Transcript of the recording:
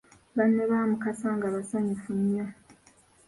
Banne ba Mukasa nga basanyufu nnyo